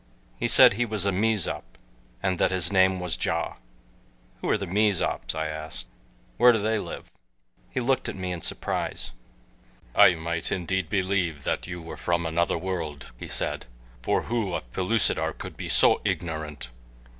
He said he was a Mezop, and that his name was Ja. "Who are the Mezops?" I asked. "Where do they live?" He looked at me in surprise. "I might indeed believe that you were from another world," he said, "for who of Pellucidar could be so ignorant!